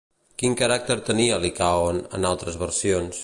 Quin caràcter tenir Licàon en altres versions?